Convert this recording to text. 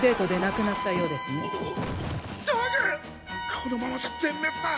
このままじゃ全滅だ！